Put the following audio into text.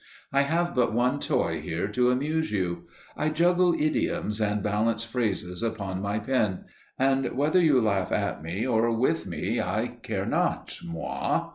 I have but one toy here to amuse you. I juggle idioms and balance phrases upon my pen, and whether you laugh at me or with me, I care not, moi.